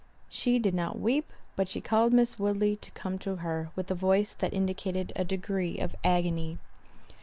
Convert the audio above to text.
She did not weep, but she called Miss Woodley to come to her, with a voice that indicated a degree of agony.